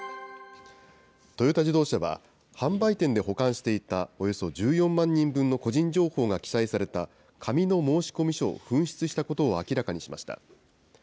トヨタ自動車は、販売店で保管していたおよそ１４万人分の個人情報が記載された紙の申込書を紛失したことを明らかにしました。